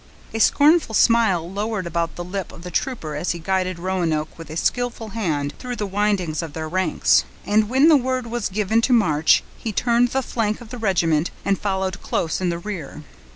A scornful smile lowered about the lip of the trooper as he guided Roanoke with a skillful hand through the windings of their ranks; and when the word was given to march, he turned the flank of the regiment, and followed close in the rear.